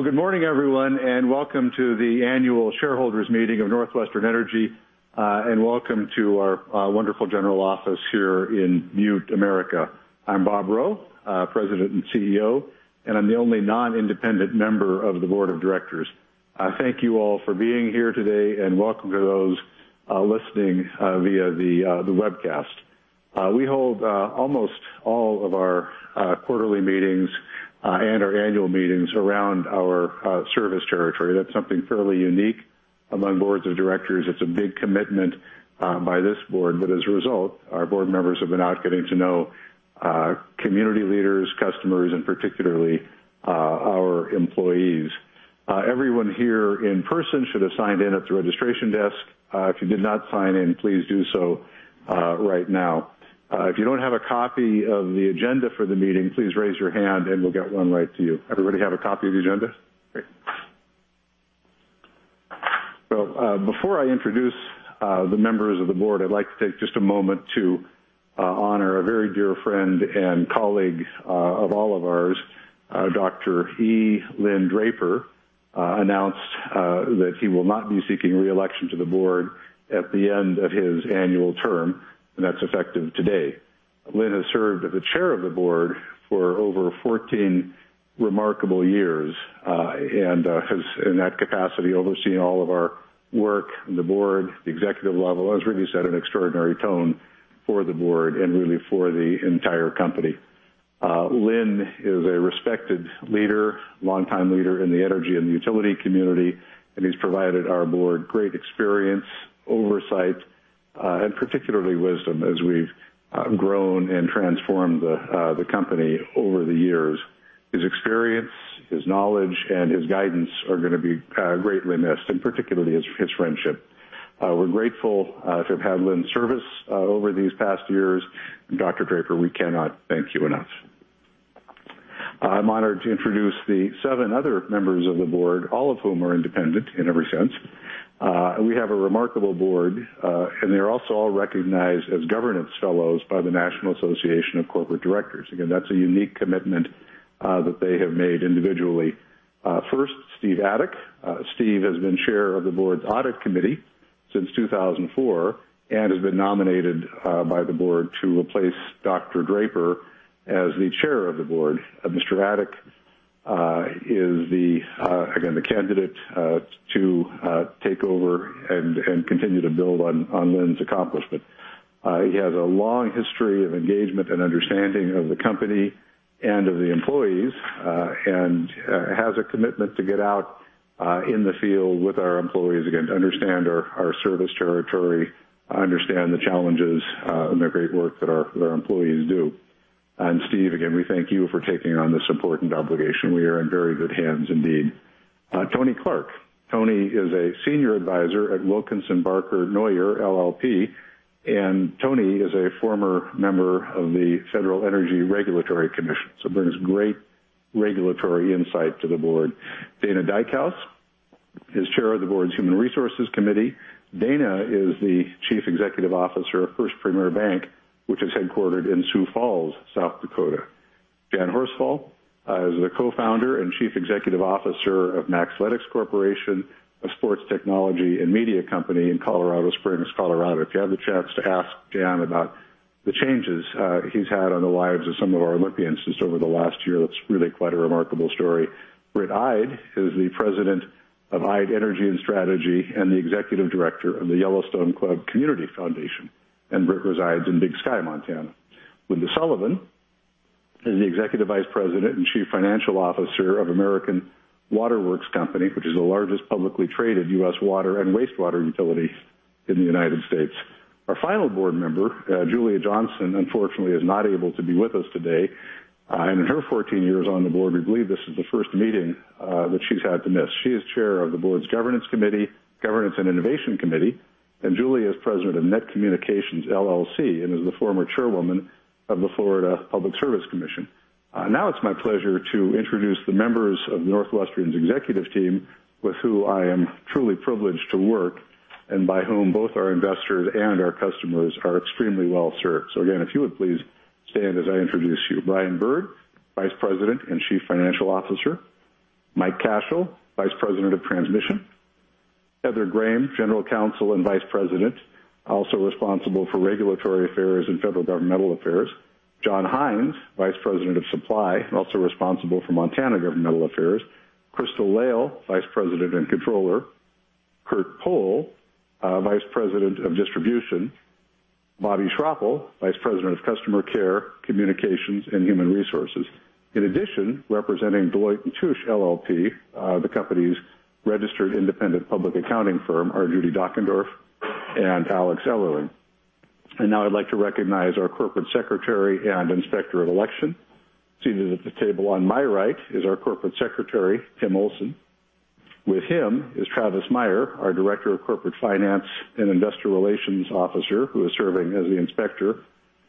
Good morning, everyone, and welcome to the annual shareholders' meeting of NorthWestern Energy. Welcome to our wonderful general office here in Butte, America. I'm Bob Rowe, President and Chief Executive Officer, and I'm the only non-independent member of the Board of Directors. Thank you all for being here today, and welcome to those listening via the webcast. We hold almost all of our quarterly meetings and our annual meetings around our service territory. That's something fairly unique among Boards of Directors. It's a big commitment by this Board, as a result, our Board members have been out getting to know community leaders, customers, and particularly, our employees. Everyone here in person should have signed in at the registration desk. If you did not sign in, please do so right now. If you don't have a copy of the agenda for the meeting, please raise your hand and we'll get one right to you. Everybody have a copy of the agenda? Great. Before I introduce the members of the Board, I'd like to take just a moment to honor a very dear friend and colleague of all of ours, Dr. E. Linn Draper, announced that he will not be seeking re-election to the Board at the end of his annual term, and that's effective today. Linn has served as the Chair of the Board for over 14 remarkable years, has, in that capacity, overseen all of our work on the Board, the executive level, has really set an extraordinary tone for the Board and really for the entire company. Linn is a respected leader, longtime leader in the energy and the utility community, he's provided our Board great experience, oversight, and particularly wisdom as we've grown and transformed the company over the years. His experience, his knowledge, and his guidance are going to be greatly missed, and particularly his friendship. We're grateful to have had Linn's service over these past years, Dr. Linn Draper, we cannot thank you enough. I'm honored to introduce the seven other members of the Board, all of whom are independent in every sense. We have a remarkable Board, they're also all recognized as governance fellows by the National Association of Corporate Directors. Again, that's a unique commitment that they have made individually. First, Steve Adik. Steve has been Chair of the Board's Audit Committee since 2004, has been nominated by the Board to replace Dr. Linn Draper as the Chair of the Board. Mr. Adik is, again, the candidate to take over and continue to build on Linn's accomplishment. He has a long history of engagement and understanding of the company and of the employees, has a commitment to get out in the field with our employees. Again, to understand our service territory, understand the challenges, and the great work that our employees do. Steve, again, we thank you for taking on this important obligation. We are in very good hands indeed. Tony Clark. Tony is a Senior Advisor at Wilkinson Barker Knauer LLP, Tony is a former member of the Federal Energy Regulatory Commission, brings great regulatory insight to the Board. Dana Dykhouse is chair of the board's Human Resources Committee. Dana is the chief executive officer of First PREMIER Bank, which is headquartered in Sioux Falls, South Dakota. Jan Horsfall is the co-founder and chief executive officer of Maxletics Corporation, a sports technology and media company in Colorado Springs, Colorado. If you have the chance to ask Jan about the changes he's had on the lives of some of our Olympians just over the last year, that's really quite a remarkable story. Britt Ide is the president of Ide Energy & Strategy, and the executive director of the Yellowstone Club Community Foundation, and Britt resides in Big Sky, Montana. Linda Sullivan is the executive vice president and chief financial officer of American Water Works Company, which is the largest publicly traded U.S. water and wastewater utility in the United States. Our final board member, Julia Johnson, unfortunately, is not able to be with us today. In her 14 years on the board, we believe this is the first meeting that she's had to miss. She is chair of the board's Governance and Innovation Committee, and Julia is president of Net Communications, LLC, and is the former chairwoman of the Florida Public Service Commission. It's my pleasure to introduce the members of NorthWestern's executive team, with who I am truly privileged to work, and by whom both our investors and our customers are extremely well-served. Again, if you would please stand as I introduce you. Brian Bird, vice president and chief financial officer. Mike Cashell, vice president of transmission. Heather Grahame, general counsel and vice president, also responsible for regulatory affairs and federal governmental affairs. John Hines, vice president of supply, also responsible for Montana governmental affairs. Crystal Lail, vice president and controller. Kurt Pohl, vice president of distribution. Bobbi Schroeppel, vice president of customer care, communications, and human resources. In addition, representing Deloitte & Touche LLP, the company's registered independent public accounting firm, are Judy Dockendorf and Alex Ellerling. Now I'd like to recognize our corporate secretary and inspector of election. Seated at the table on my right is our corporate secretary, Tim Olson. With him is Travis Meyer, our director of corporate finance and investor relations officer, who is serving as the inspector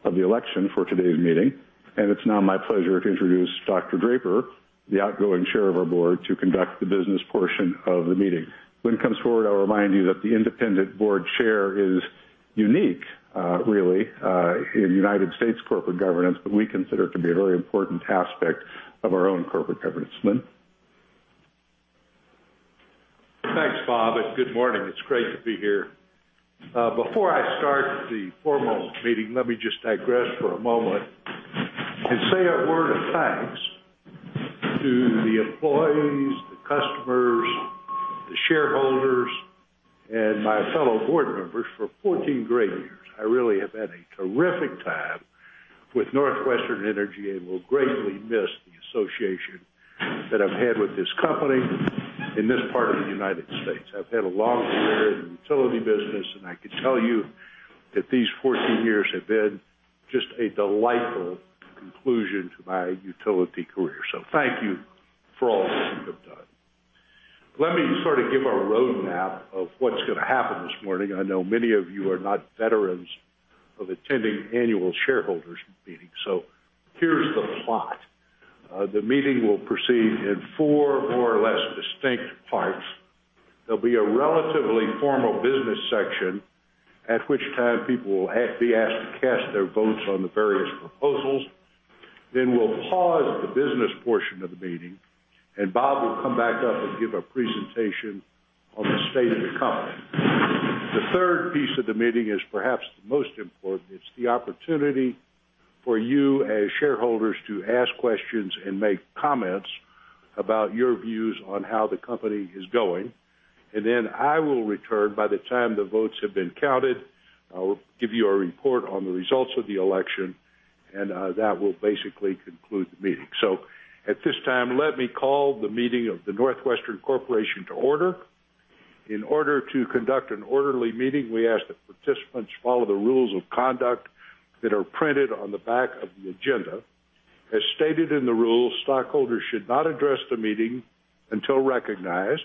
of the election for today's meeting. It's now my pleasure to introduce Dr. Draper, the outgoing chair of our board, to conduct the business portion of the meeting. Linn, come forward. I'll remind you that the independent board chair is unique, really, in U.S. corporate governance, but we consider it to be a very important aspect of our own corporate governance. Linn? Thanks, Bob, good morning. It's great to be here. Before I start the formal meeting, let me just digress for a moment and say a word of thanks to the employees, the customers, the shareholders, and my fellow board members for 14 great years. I really have had a terrific time with NorthWestern Energy and will greatly miss the association that I've had with this company in this part of the U.S. I've had a long career in the utility business, I can tell you that these 14 years have been just a delightful conclusion to my utility career. Thank you for all that you have done. Let me sort of give a roadmap of what's going to happen this morning. I know many of you are not veterans of attending annual shareholders meetings, here's the plot. The meeting will proceed in four more or less distinct parts. There'll be a relatively formal business section, at which time people will be asked to cast their votes on the various proposals. We'll pause the business portion of the meeting, Bob will come back up and give a presentation on the state of the company. The third piece of the meeting is perhaps the most important. It's the opportunity for you as shareholders to ask questions and make comments about your views on how the company is going. I will return by the time the votes have been counted. I will give you a report on the results of the election, that will basically conclude the meeting. At this time, let me call the meeting of the NorthWestern Corporation to order. In order to conduct an orderly meeting, we ask that participants follow the rules of conduct that are printed on the back of the agenda. As stated in the rules, stockholders should not address the meeting until recognized.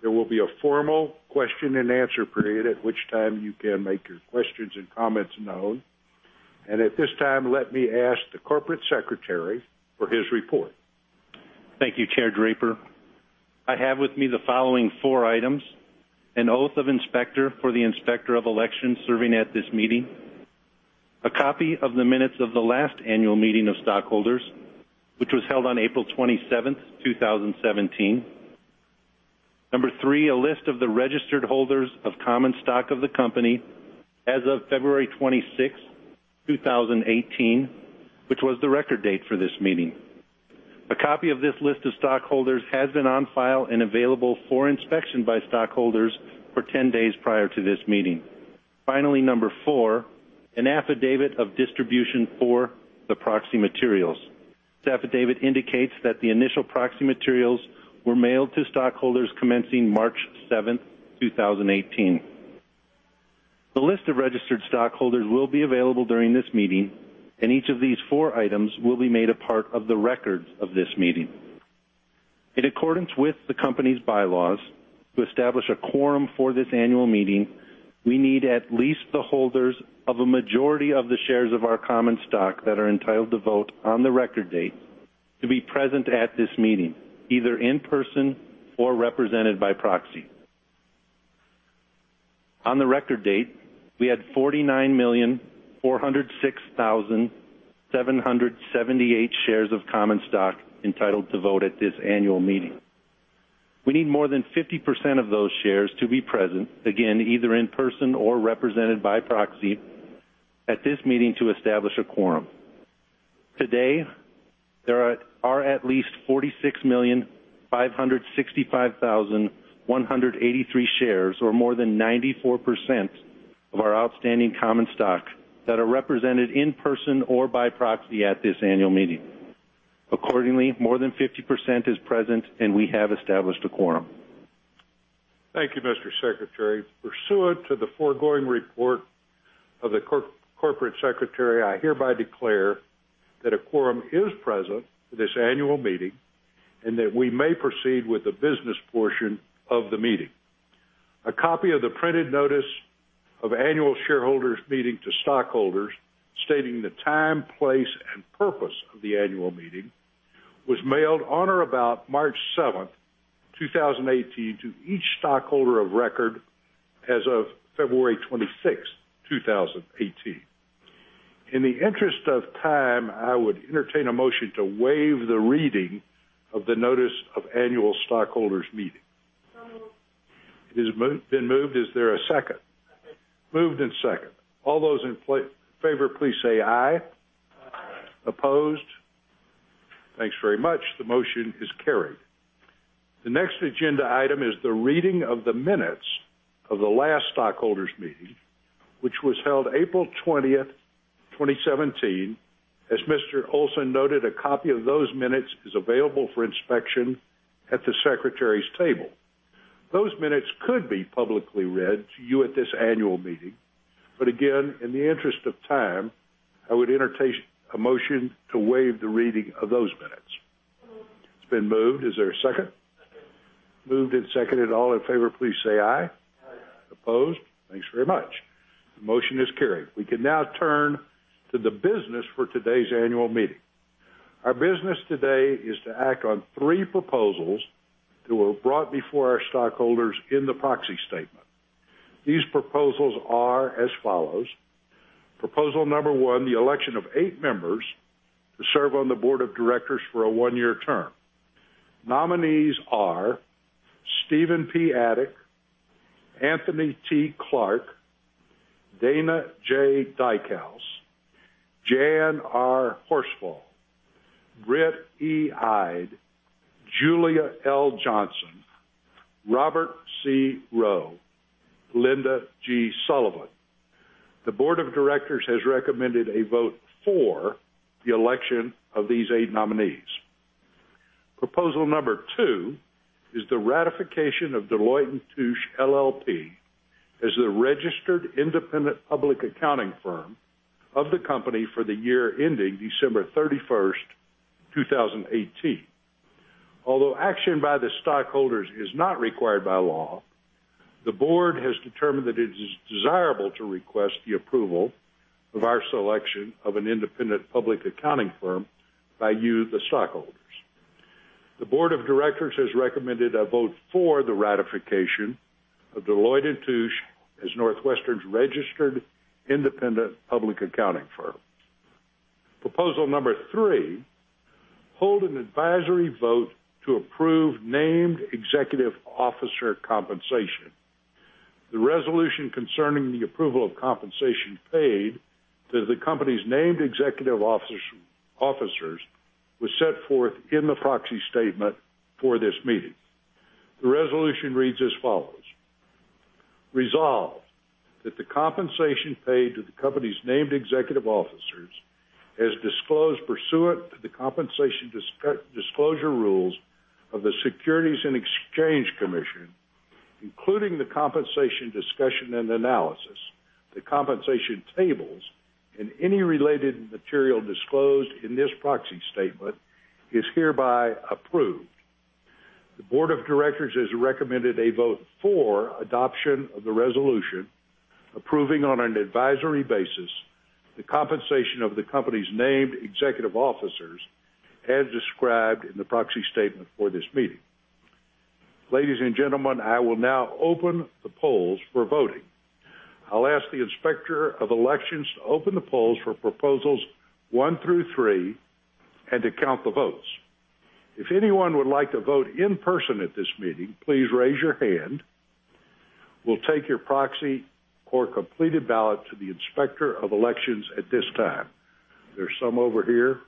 There will be a formal question and answer period, at which time you can make your questions and comments known. At this time, let me ask the corporate secretary for his report. Thank you, Chair Draper. I have with me the following four items: an oath of inspector for the inspector of elections serving at this meeting, a copy of the minutes of the last annual meeting of stockholders, which was held on April 27th, 2017. Number 3, a list of the registered holders of common stock of the company as of February 26th, 2018, which was the record date for this meeting. A copy of this list of stockholders has been on file and available for inspection by stockholders for 10 days prior to this meeting. Finally, number 4, an affidavit of distribution for the proxy materials. This affidavit indicates that the initial proxy materials were mailed to stockholders commencing March 7th, 2018. The list of registered stockholders will be available during this meeting, each of these four items will be made a part of the records of this meeting. In accordance with the company's bylaws, to establish a quorum for this annual meeting, we need at least the holders of a majority of the shares of our common stock that are entitled to vote on the record date to be present at this meeting, either in person or represented by proxy. On the record date, we had 49,406,778 shares of common stock entitled to vote at this annual meeting. We need more than 50% of those shares to be present, again, either in person or represented by proxy, at this meeting to establish a quorum. Today, there are at least 46,565,183 shares, or more than 94% of our outstanding common stock, that are represented in person or by proxy at this annual meeting. Accordingly, more than 50% is present, and we have established a quorum. Thank you, Mr. Secretary. Pursuant to the foregoing report of the corporate secretary, I hereby declare that a quorum is present at this annual meeting and that we may proceed with the business portion of the meeting. A copy of the printed notice of annual shareholders meeting to stockholders, stating the time, place, and purpose of the annual meeting, was mailed on or about March 7th, 2018, to each stockholder of record as of February 26th, 2018. In the interest of time, I would entertain a motion to waive the reading of the notice of annual stockholders meeting. Moved. It has been moved. Is there a second? Second. Moved and second. All those in favor, please say, "Aye. Aye. Opposed? Thanks very much. The motion is carried. The next agenda item is the reading of the minutes of the last stockholders meeting, which was held April 20th, 2017. As Mr. Olson noted, a copy of those minutes is available for inspection at the secretary's table. Those minutes could be publicly read to you at this annual meeting. Again, in the interest of time, I would entertain a motion to waive the reading of those minutes. Moved. It's been moved. Is there a second? Second. Moved and seconded. All in favor, please say, "Aye." Opposed? Thanks very much. The motion is carried. Aye. We can now turn to the business for today's annual meeting. Our business today is to act on three proposals that were brought before our stockholders in the proxy statement. These proposals are as follows. Proposal number one, the election of eight members to serve on the board of directors for a one-year term. Nominees are Stephen P. Adik, Anthony T. Clark, Dana J. Dykhouse, Jan R. Horsfall, Britt E. Ide, Julia L. Johnson, Robert C. Rowe, Linda G. Sullivan. The board of directors has recommended a vote for the election of these eight nominees. Proposal number two is the ratification of Deloitte & Touche LLP as the registered independent public accounting firm of the company for the year ending December 31, 2018. Although action by the stockholders is not required by law, the board has determined that it is desirable to request the approval of our selection of an independent public accounting firm by you, the stockholders. The board of directors has recommended a vote for the ratification of Deloitte & Touche as NorthWestern's registered independent public accounting firm. Proposal number three, hold an advisory vote to approve named executive officer compensation. The resolution concerning the approval of compensation paid to the company's named executive officers was set forth in the proxy statement for this meeting. The resolution reads as follows. Resolved, that the compensation paid to the company's named executive officers, as disclosed pursuant to the compensation disclosure rules of the Securities and Exchange Commission, including the compensation discussion and analysis, the compensation tables, and any related material disclosed in this proxy statement, is hereby approved. The board of directors has recommended a vote for adoption of the resolution, approving on an advisory basis the compensation of the company's named executive officers as described in the proxy statement for this meeting. Ladies and gentlemen, I will now open the polls for voting. I'll ask the Inspector of Elections to open the polls for proposals one through three and to count the votes. If anyone would like to vote in person at this meeting, please raise your hand. We'll take your proxy or completed ballot to the Inspector of Elections at this time. There's some over here.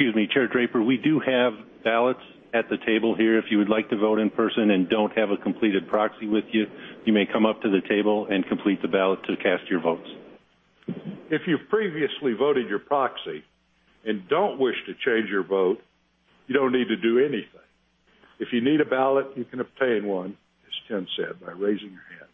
Excuse me, Chair Draper. We do have ballots at the table here. If you would like to vote in person and don't have a completed proxy with you may come up to the table and complete the ballot to cast your votes. If you previously voted your proxy and don't wish to change your vote, you don't need to do anything. If you need a ballot, you can obtain one, as Ken said, by raising your hand.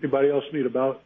Anybody else need a ballot?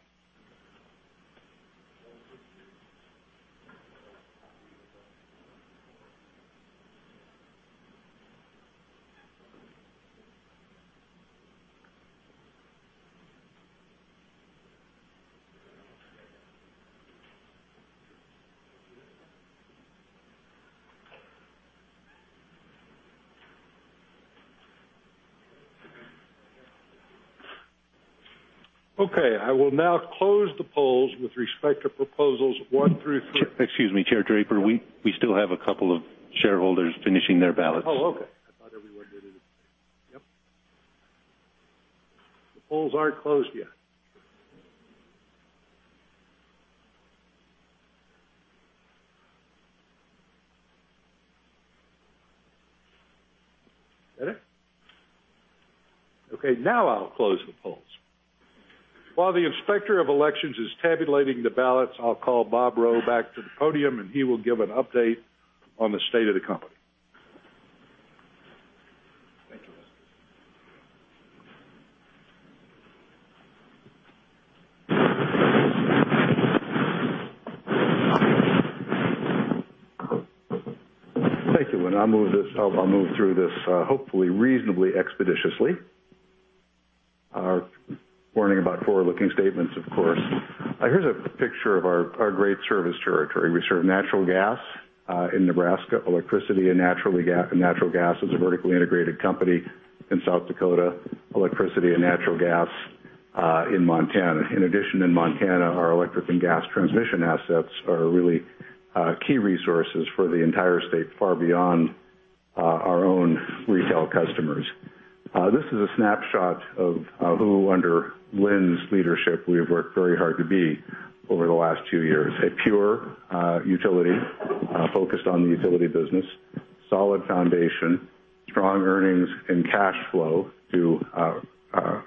Okay, I will now close the polls with respect to proposals one through three. Excuse me, Chair Draper. We still have a couple of shareholders finishing their ballots. Oh, okay. I thought everyone did it. Yep. The polls aren't closed yet. Better? Okay, now I'll close the polls. While the Inspector of Elections is tabulating the ballots, I'll call Bob Rowe back to the podium. He will give an update on the state of the company. Thank you. Thank you. I'll move through this hopefully reasonably expeditiously. A warning about forward-looking statements, of course. Here is a picture of our great service territory. We serve natural gas in Nebraska, electricity and natural gas as a vertically integrated company in South Dakota, electricity and natural gas in Montana. In addition, in Montana, our electric and gas transmission assets are really key resources for the entire state, far beyond our own retail customers. This is a snapshot of who, under Linn's leadership, we have worked very hard to be over the last two years. A pure utility focused on the utility business, solid foundation, strong earnings and cash flow to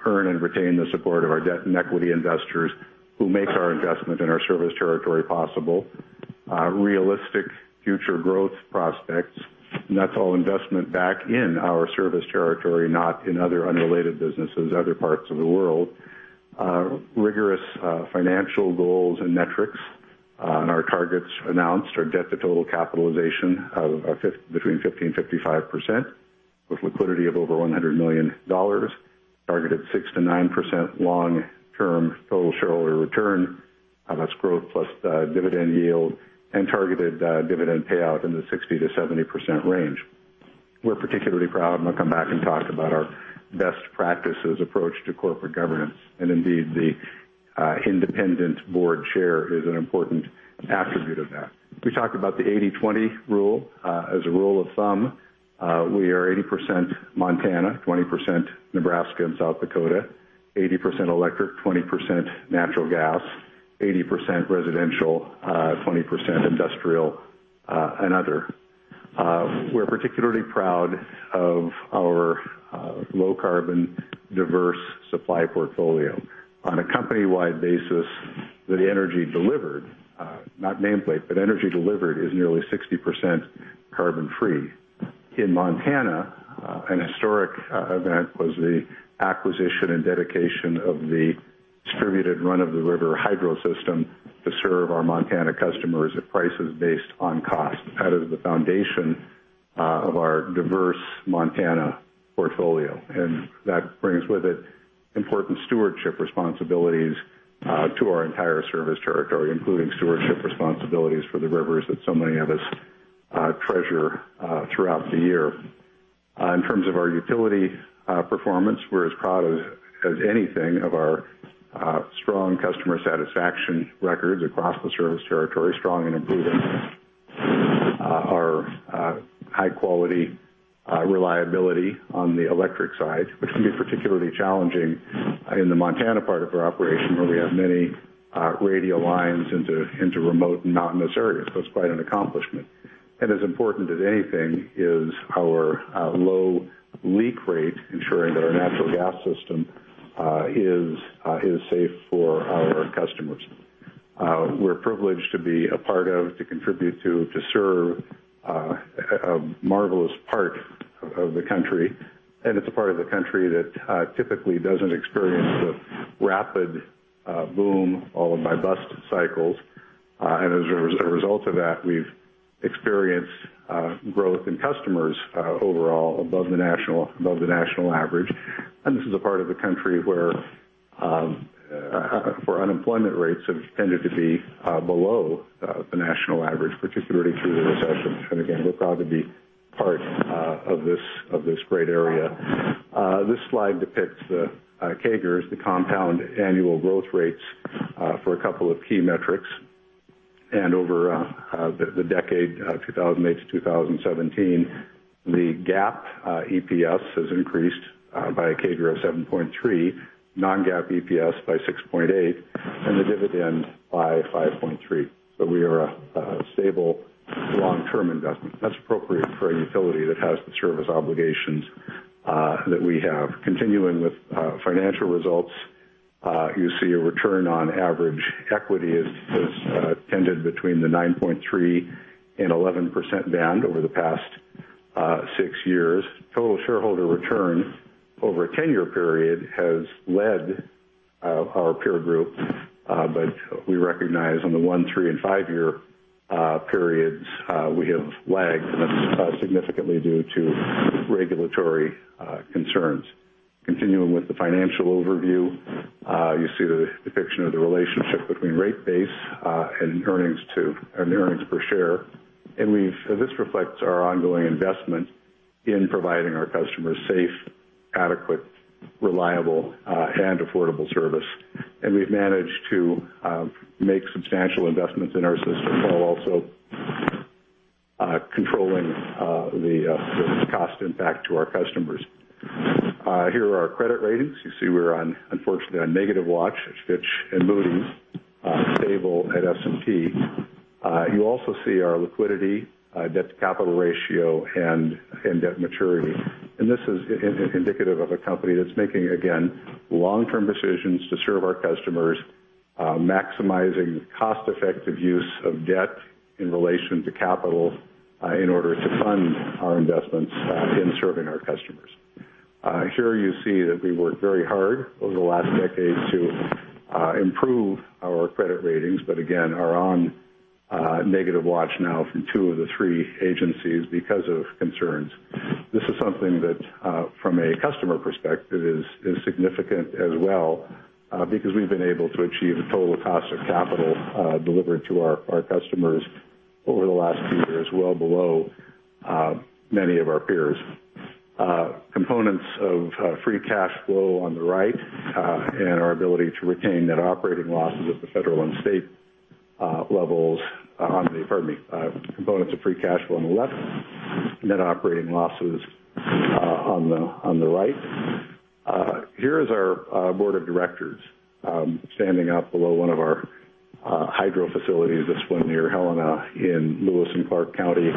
earn and retain the support of our debt and equity investors who make our investment in our service territory possible. Realistic future growth prospects. That is all investment back in our service territory, not in other unrelated businesses, other parts of the world. Rigorous financial goals and metrics. Our targets announced are debt to total capitalization of between 15%-55%, with liquidity of over $100 million. Targeted 6%-9% long-term total shareholder return. That is growth plus dividend yield, targeted dividend payout in the 60%-70% range. We are particularly proud. I will come back and talk about our best practices approach to corporate governance. Indeed, the independent board chair is an important attribute of that. We talked about the 80/20 rule. As a rule of thumb, we are 80% Montana, 20% Nebraska and South Dakota. 80% electric, 20% natural gas, 80% residential, 20% industrial and other. We are particularly proud of our low carbon diverse supply portfolio. On a company-wide basis, the energy delivered, not nameplate, but energy delivered is nearly 60% carbon free. In Montana, an historic event was the acquisition and dedication of the distributed run of the river hydro system to serve our Montana customers at prices based on cost out of the foundation of our diverse Montana portfolio. That brings with it important stewardship responsibilities to our entire service territory, including stewardship responsibilities for the rivers that so many of us treasure throughout the year. In terms of our utility performance, we are as proud as anything of our strong customer satisfaction records across the service territory, strong and improving. Our high-quality reliability on the electric side, which can be particularly challenging in the Montana part of our operation, where we have many radial lines into remote and mountainous areas. It is quite an accomplishment. As important as anything is our low leak rate, ensuring that our natural gas system is safe for our customers. We are privileged to be a part of, to contribute to serve a marvelous part of the country. It is a part of the country that typically does not experience the rapid boom or bust cycles. As a result of that, we have experienced growth in customers overall above the national average. This is a part of the country where unemployment rates have tended to be below the national average, particularly through the recession. Again, we are proud to be part of this great area. This slide depicts the CAGRs, the compound annual growth rates, for a couple of key metrics. Over the decade, 2008-2017, the GAAP EPS has increased by a CAGR of 7.3%, non-GAAP EPS by 6.8%, and the dividend by 5.3%. We are a stable long-term investment. That's appropriate for a utility that has the service obligations that we have. Continuing with financial results, you see a return on average equity has tended between the 9.3% and 11% band over the past six years. Total shareholder return over a 10-year period has led our peer group. We recognize on the one, three and five-year periods, we have lagged, and that's significantly due to regulatory concerns. Continuing with the financial overview, you see the depiction of the relationship between rate base and earnings per share. This reflects our ongoing investment in providing our customers safe, adequate, reliable, and affordable service. We've managed to make substantial investments in our system while also controlling the cost impact to our customers. Here are our credit ratings. You see we're unfortunately on negative watch at Fitch and Moody's. Stable at S&P. You also see our liquidity, debt to capital ratio, and debt maturity. This is indicative of a company that's making, again, long-term decisions to serve our customers, maximizing cost-effective use of debt in relation to capital in order to fund our investments in serving our customers. Here you see that we worked very hard over the last decade to improve our credit ratings, but again, are on negative watch now from two of the three agencies because of concerns. This is something that, from a customer perspective, is significant as well, because we've been able to achieve a total cost of capital delivered to our customers over the last few years well below many of our peers. Components of free cash flow on the left, net operating losses on the right. Here is our board of directors standing up below one of our hydro facilities, this one near Helena in Lewis and Clark County.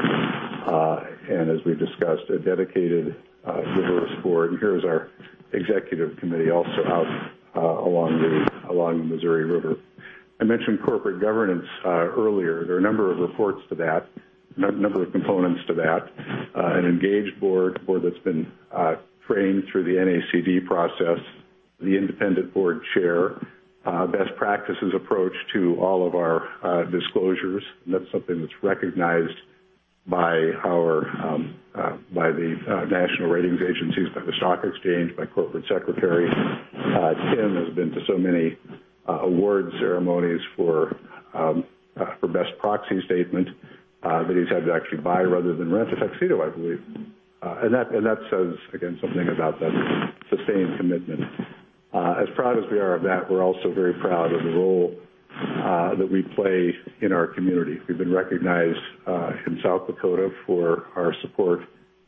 As we discussed, a dedicated river sport. Here is our executive committee, also out along the Missouri River. I mentioned corporate governance earlier. There are a number of reports to that, a number of components to that. An engaged board, a board that's been trained through the NACD process, the independent board chair, best practices approach to all of our disclosures. That's something that's recognized by the national ratings agencies, by the stock exchange, by corporate secretaries. Tim has been to so many award ceremonies for best proxy statement that he's had to actually buy rather than rent a tuxedo, I believe. That says, again, something about that sustained commitment. As proud as we are of that, we're also very proud of the role that we play in our community. We've been recognized in South Dakota for our support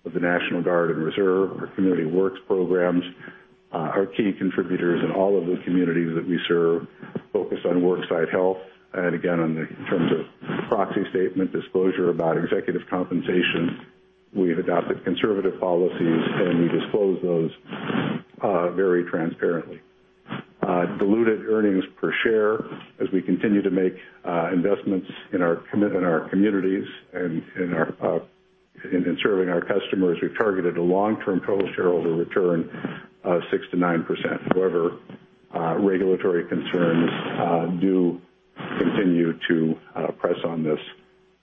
of the National Guard and Reserve, our community works programs, our key contributors in all of the communities that we serve, focus on worksite health. Again, in terms of proxy statement disclosure about executive compensation, we've adopted conservative policies, and we disclose those very transparently. Diluted earnings per share as we continue to make investments in our communities and in serving our customers. We've targeted a long-term total shareholder return of 6%-9%. However, regulatory concerns do continue to press on this.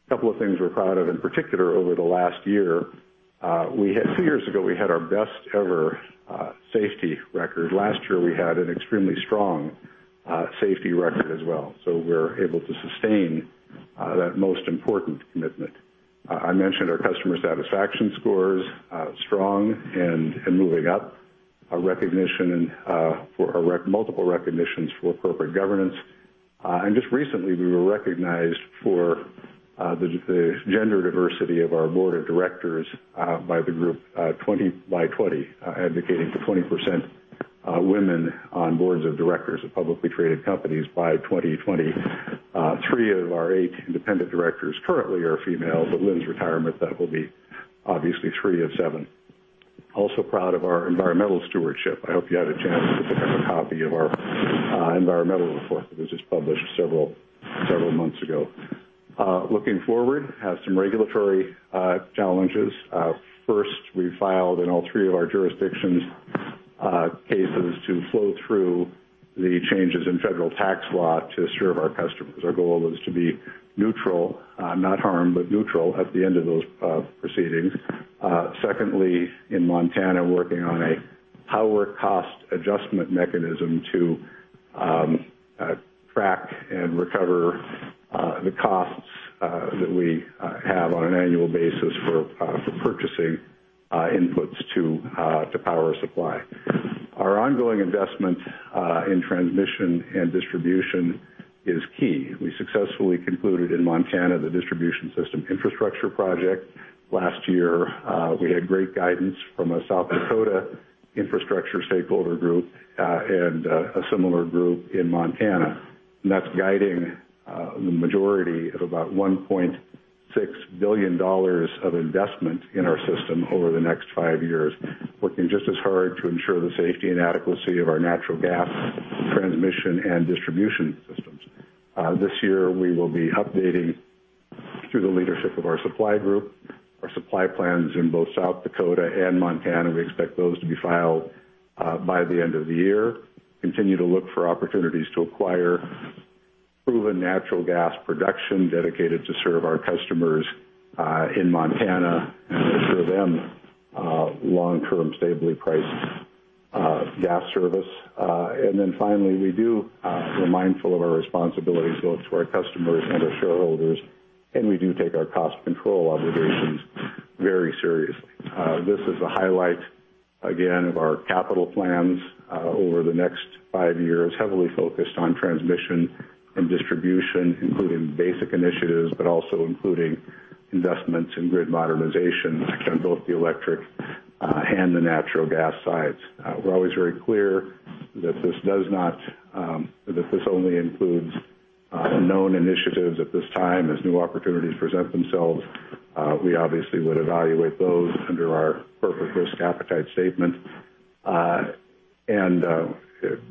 A couple of things we're proud of in particular over the last year. Two years ago, we had our best ever safety record. Last year, we had an extremely strong safety record as well. We're able to sustain that most important commitment. I mentioned our customer satisfaction scores, strong and moving up. Multiple recognitions for corporate governance. Just recently, we were recognized for the gender diversity of our board of directors by the group 20 by 20, advocating for 20% women on boards of directors of publicly traded companies by 2020. Three of our eight independent directors currently are female. With Linn's retirement, that will be obviously three of seven. Also proud of our environmental stewardship. I hope you had a chance to pick up a copy of our environmental report that was just published several months ago. Looking forward, have some regulatory challenges. First, we filed in all three of our jurisdictions, cases to flow through the changes in federal tax law to serve our customers. Our goal is to be neutral, not harmed, but neutral at the end of those proceedings. Secondly, in Montana, working on a power cost adjustment mechanism to track and recover the costs that we have on an annual basis for purchasing inputs to power supply. Our ongoing investment in transmission and distribution is key. We successfully concluded in Montana the distribution system infrastructure project last year. We had great guidance from a South Dakota infrastructure stakeholder group, and a similar group in Montana. That's guiding the majority of about $1.6 billion of investment in our system over the next five years, working just as hard to ensure the safety and adequacy of our natural gas transmission and distribution systems. This year, we will be updating through the leadership of our supply group, our supply plans in both South Dakota and Montana. We expect those to be filed by the end of the year. Continue to look for opportunities to acquire proven natural gas production dedicated to serve our customers in Montana and to serve them long-term stably priced gas service. Finally, we do-- we're mindful of our responsibilities, both to our customers and our shareholders, and we do take our cost control obligations very seriously. This is a highlight, again, of our capital plans over the next five years, heavily focused on transmission and distribution, including basic initiatives, but also including investments in grid modernization on both the electric and the natural gas sides. We're always very clear that this only includes known initiatives at this time. As new opportunities present themselves, we obviously would evaluate those under our corporate risk appetite statement.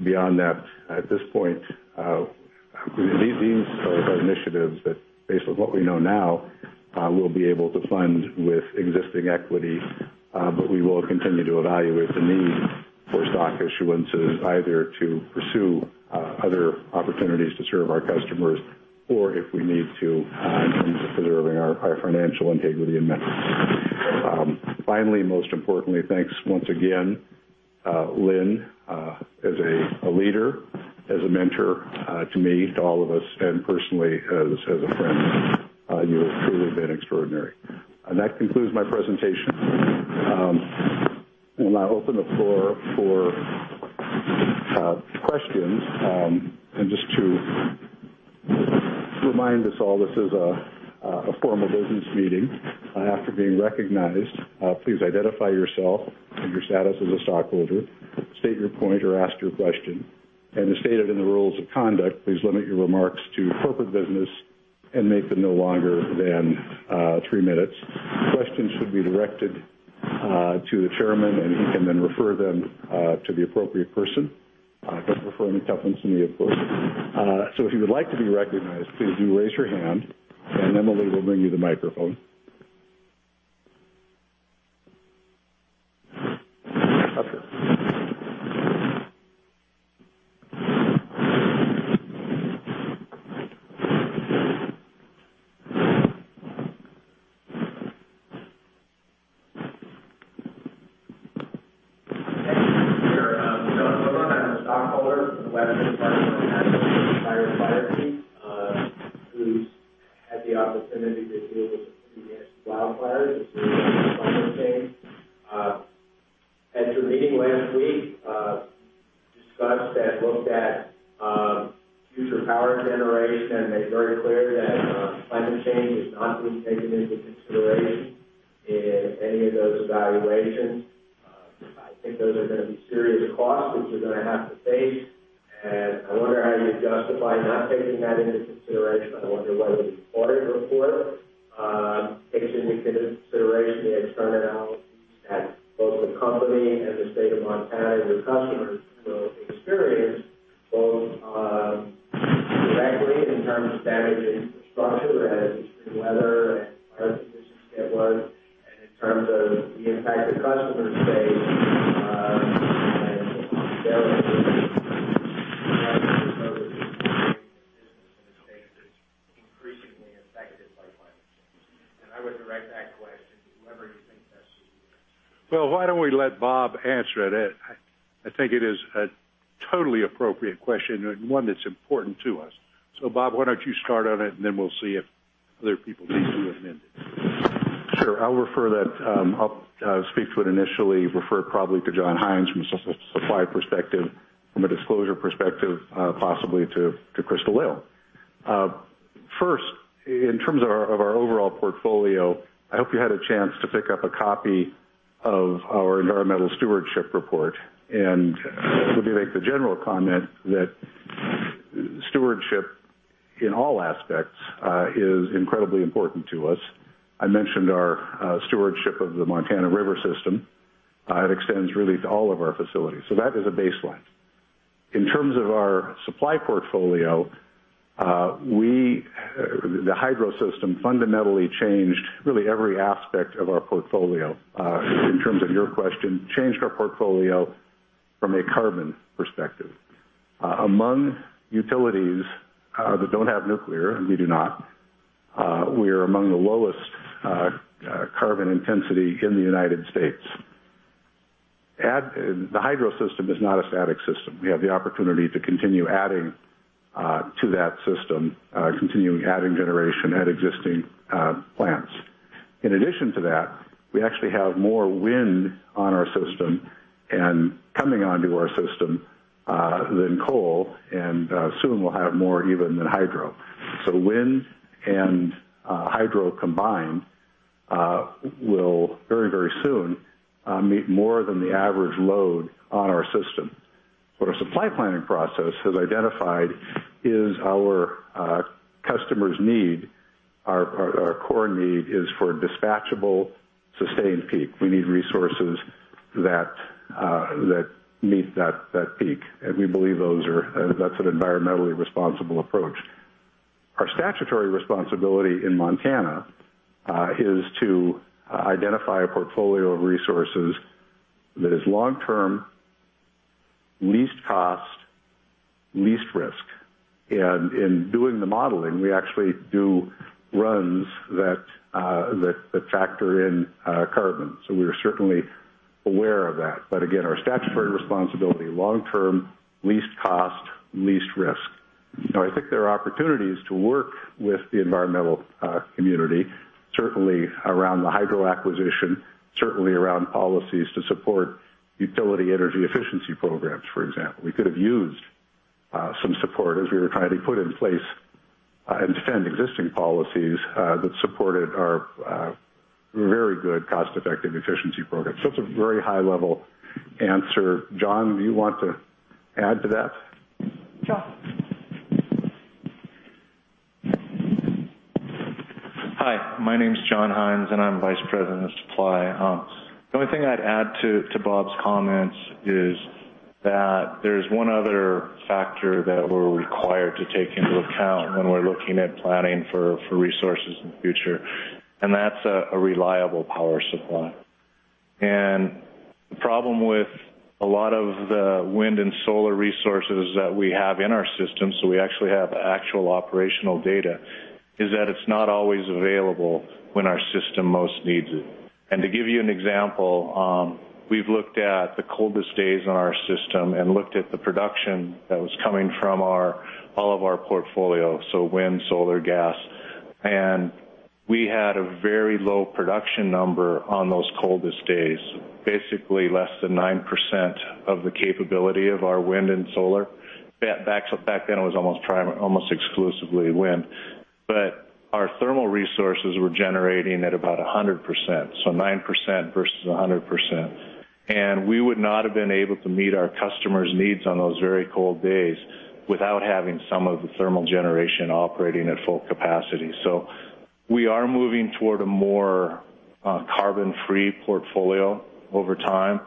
Beyond that, at this point, these are initiatives that, based on what we know now, we'll be able to fund with existing equity, but we will continue to evaluate the need for stock issuances either to pursue other opportunities to serve our customers or if we need to in terms of preserving our financial integrity and metrics. Finally, most importantly, thanks once again, Linn, as a leader, as a mentor to me, to all of us, and personally as a friend. You have truly been extraordinary. That concludes my presentation. I open the floor for questions. Just to remind us all, this is a formal business meeting. After being recognized, please identify yourself and your status as a stockholder, state your point or ask your question. As stated in the rules of conduct, please limit your remarks to corporate business and make them no longer than 3 minutes. Questions should be directed to the chairman, and he can then refer them to the appropriate person. He can refer any couple to me, of course. If you would like to be recognized, please do raise your hand, and Emily will bring you the microphone. Up here. Thank you, sir. John Hoover, I'm a stockholder from the western part of Montana who's had the opportunity to deal with the wildfires this summer. At your meeting last week, discussed and looked at future power generation and made very clear that climate change is not being taken into consideration of our environmental stewardship report. Let me make the general comment that stewardship in all aspects is incredibly important to us. I mentioned our stewardship of the Montana River system. It extends really to all of our facilities. That is a baseline. In terms of our supply portfolio, the hydro system fundamentally changed really every aspect of our portfolio. In terms of your question, we changed our portfolio from a carbon perspective. Among utilities that don't have nuclear, and we do not, we are among the lowest carbon intensity in the U.S. The hydro system is not a static system. We have the opportunity to continue adding to that system, continuing adding generation at existing plants. In addition to that, we actually have more wind on our system and coming onto our system than coal, and soon we'll have more even than hydro. Wind and hydro combined will very, very soon meet more than the average load on our system. What our supply planning process has identified is our customers' need, our core need is for dispatchable sustained peak. We need resources that meet that peak. We believe that's an environmentally responsible approach. Our statutory responsibility in Montana is to identify a portfolio of resources that is long-term, least cost, least risk. In doing the modeling, we actually do runs that factor in carbon. We are certainly aware of that. Again, our statutory responsibility, long-term, least cost, least risk. I think there are opportunities to work with the environmental community, certainly around the hydro acquisition, certainly around policies to support utility energy efficiency programs, for example. We could have used some support as we were trying to put in place and defend existing policies that supported our very good cost-effective efficiency program. It's a very high-level answer. John, do you want to add to that? John. Hi, my name's John Hines, and I'm Vice President of Supply. The only thing I'd add to Bob's comments is that there's one other factor that we're required to take into account when we're looking at planning for resources in the future, and that's a reliable power supply. The problem with a lot of the wind and solar resources that we have in our system, so we actually have actual operational data, is that it's not always available when our system most needs it. To give you an example, we've looked at the coldest days on our system and looked at the production that was coming from all of our portfolio, so wind, solar, gas. We had a very low production number on those coldest days, basically less than 9% of the capability of our wind and solar. Back then, it was almost exclusively wind. Our thermal resources were generating at about 100%, so 9% versus 100%. We would not have been able to meet our customers' needs on those very cold days without having some of the thermal generation operating at full capacity. We are moving toward a more carbon-free portfolio over time.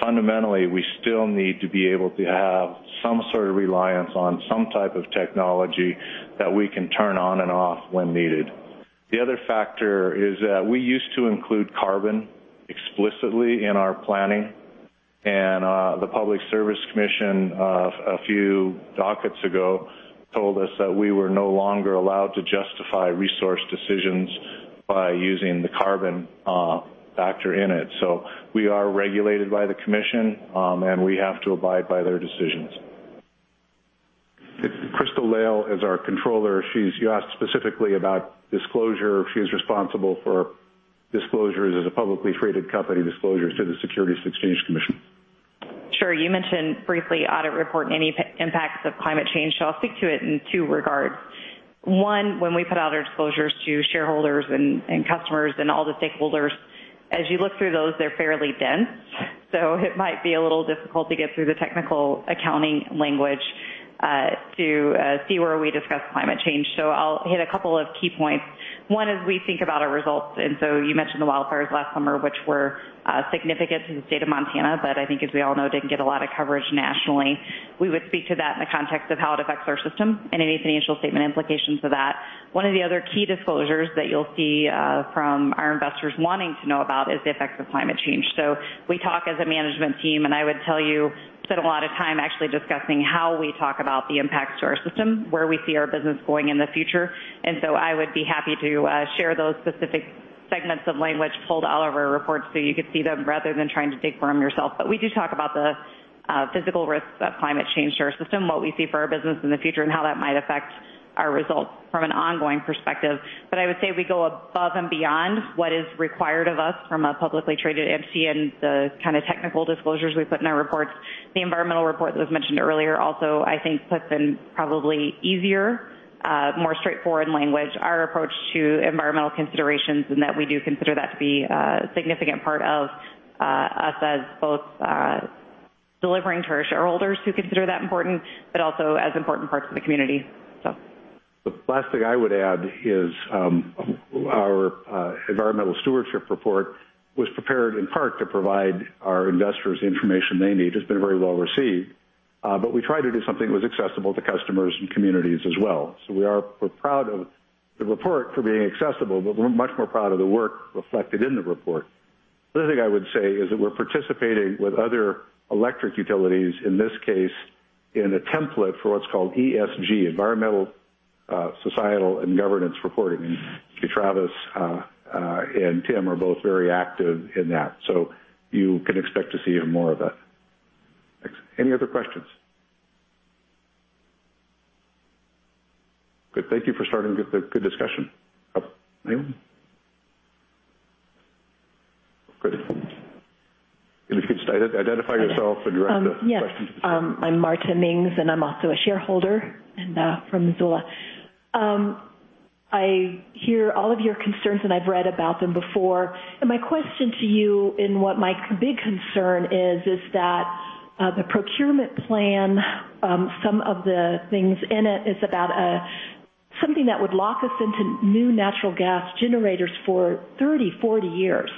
Fundamentally, we still need to be able to have some sort of reliance on some type of technology that we can turn on and off when needed. The other factor is that we used to include carbon explicitly in our planning, and the Public Service Commission, a few dockets ago, told us that we were no longer allowed to justify resource decisions by using the carbon factor in it. We are regulated by the Commission, and we have to abide by their decisions. Crystal Lail is our controller. You asked specifically about disclosure. She's responsible for disclosures as a publicly traded company, disclosures to the Securities and Exchange Commission. Sure. You mentioned briefly audit report and any impacts of climate change. I'll speak to it in two regards. One, when we put out our disclosures to shareholders and customers and all the stakeholders, as you look through those, they're fairly dense, it might be a little difficult to get through the technical accounting language to see where we discuss climate change. I'll hit a couple of key points. One, as we think about our results, you mentioned the wildfires last summer, which were significant to the state of Montana, but I think, as we all know, didn't get a lot of coverage nationally. We would speak to that in the context of how it affects our system and any financial statement implications of that. One of the other key disclosures that you'll see from our investors wanting to know about is the effects of climate change. We talk as a management team, and I would tell you, spend a lot of time actually discussing how we talk about the impacts to our system, where we see our business going in the future. I would be happy to share those specific segments of language pulled out of our report so you could see them rather than trying to dig for them yourself. We do talk about the physical risks of climate change to our system, what we see for our business in the future, and how that might affect our results from an ongoing perspective. I would say we go above and beyond what is required of us from a publicly traded company and the kind of technical disclosures we put in our reports. The environmental report that was mentioned earlier also, I think, puts in probably easier, more straightforward language, our approach to environmental considerations and that we do consider that to be a significant part of us as both delivering to our shareholders who consider that important, but also as important parts of the community. The last thing I would add is our environmental stewardship report was prepared in part to provide our investors the information they need, has been very well received. We tried to do something that was accessible to customers and communities as well. We're proud of the report for being accessible, but we're much more proud of the work reflected in the report. The other thing I would say is that we're participating with other electric utilities, in this case, in a template for what's called ESG, Environmental, Societal, and Governance Reporting. Travis and Tim are both very active in that. You can expect to see more of that. Any other questions? Good. Thank you for starting good discussion. Oh, anyone? Good. If you could identify yourself and your question. Yes. I'm Marta Mings, and I'm also a shareholder from Missoula. I hear all of your concerns, and I've read about them before. My question to you and what my big concern is that the procurement plan, some of the things in it is about something that would lock us into new natural gas generators for 30, 40 years.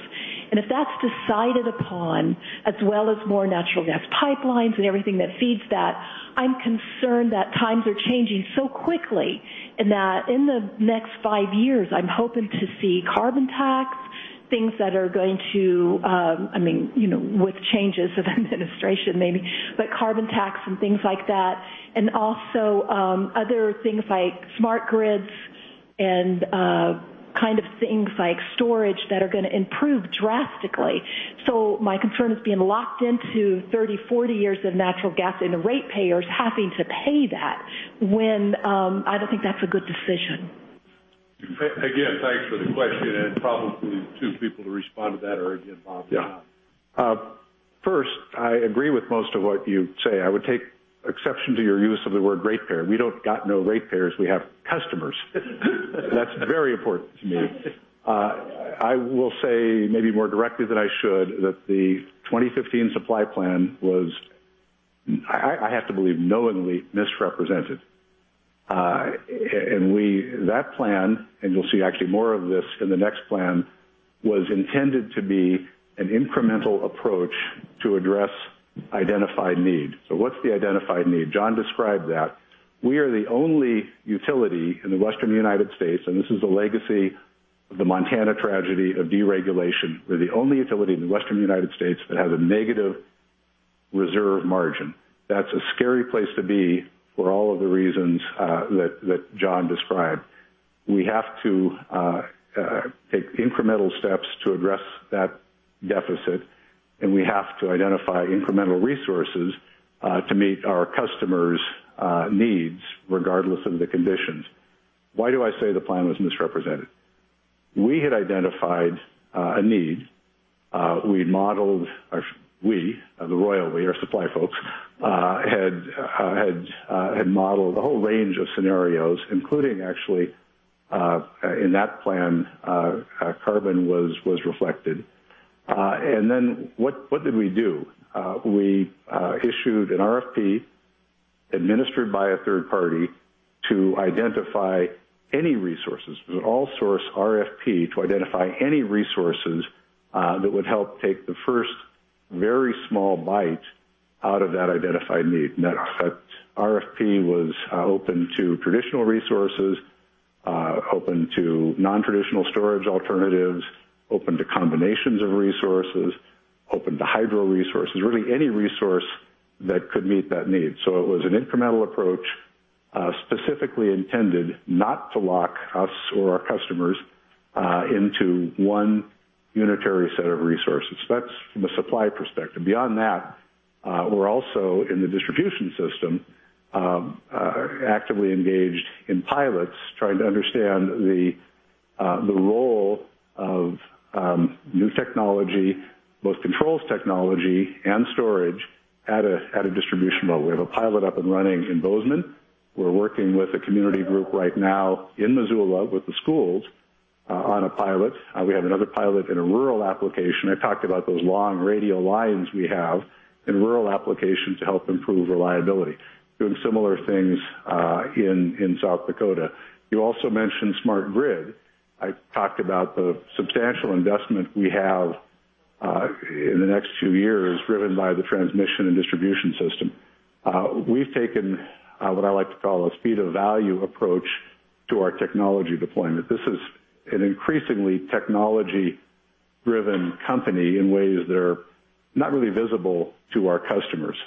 If that's decided upon, as well as more natural gas pipelines and everything that feeds that, I'm concerned that times are changing so quickly and that in the next five years, I'm hoping to see carbon tax, things that are going to, with changes of administration maybe, but carbon tax and things like that. Also other things like smart grids and kind of things like storage that are going to improve drastically. My concern is being locked into 30, 40 years of natural gas and the ratepayers having to pay that when I don't think that's a good decision. Again, thanks for the question, and probably two people to respond to that are again Bob and John. First, I agree with most of what you say. I would take exception to your use of the word ratepayer. We don't got no ratepayers. We have customers. That's very important to me. I will say maybe more directly than I should, that the 2015 supply plan was, I have to believe, knowingly misrepresented. That plan, and you'll see actually more of this in the next plan, was intended to be an incremental approach to address identified need. What's the identified need? John described that. We are the only utility in the Western United States, and this is a legacy of the Montana tragedy of deregulation. We're the only utility in the Western United States that has a negative reserve margin. That's a scary place to be for all of the reasons that John described. We have to take incremental steps to address that deficit. We have to identify incremental resources to meet our customers' needs, regardless of the conditions. Why do I say the plan was misrepresented? We had identified a need. We, the royal we, our supply folks, had modeled a whole range of scenarios, including actually, in that plan, carbon was reflected. What did we do? We issued an RFP, administered by a third party, to identify any resources. It was an all source RFP to identify any resources that would help take the first very small bite out of that identified need. That RFP was open to traditional resources, open to non-traditional storage alternatives, open to combinations of resources, open to hydro resources, really any resource that could meet that need. It was an incremental approach, specifically intended not to lock us or our customers into one unitary set of resources. That's from a supply perspective. Beyond that, we're also in the distribution system, actively engaged in pilots trying to understand the role of new technology, both controls technology and storage, at a distribution level. We have a pilot up and running in Bozeman. We're working with a community group right now in Missoula with the schools, on a pilot. We have another pilot in a rural application. I talked about those long radial lines we have in rural applications to help improve reliability, doing similar things in South Dakota. You also mentioned smart grid. I talked about the substantial investment we have in the next two years driven by the transmission and distribution system. We've taken what I like to call a speed of value approach to our technology deployment. This is an increasingly technology-driven company in ways that are not really visible to our customers.